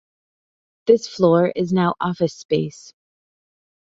This floor is now office space.